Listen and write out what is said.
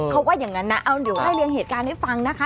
เขาว่าอย่างนั้นนะเอาเดี๋ยวไล่เลี่ยงเหตุการณ์ให้ฟังนะคะ